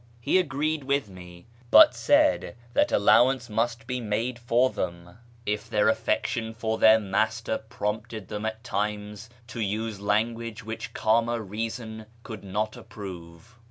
He agreed with me, but said that allowance must be made for them FROM KIRMAN to ENGLAND 545 if their affection for their Master prompted them at times to use language which cahner reason could not approve.